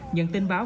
nhận tin báo